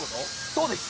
そうです。